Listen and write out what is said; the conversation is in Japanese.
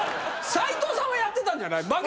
斎藤さんはやってたんじゃない。